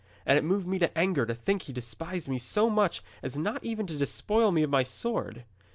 And it moved me to anger to think he despised me so much as not even to despoil me of my sword.